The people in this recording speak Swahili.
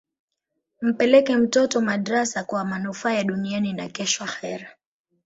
mpeleke mtoto madrasa kwa manufaa ya duniani na kesho akhera